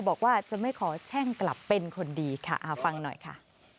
บอกว่าจะไม่ขอแช่งกลับเป็นคนดีค่ะฟังหน่อยค่ะ